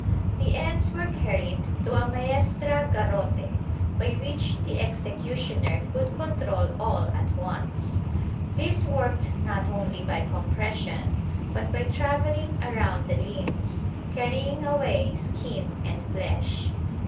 The ends were carried to a maestra garrote by which the executioner could control all at once. These worked not only by compression but by travelling around the limbs, carrying away skin and flesh.